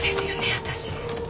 私。